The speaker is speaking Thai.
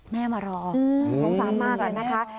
มารอสงสารมากอะนะคะ